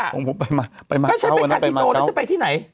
ก็ใช่ไปคาซิโนแล้วจะไปที่ไหน